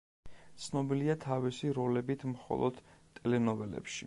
ცნობილია თავისი როლებით მხოლოდ ტელენოველებში.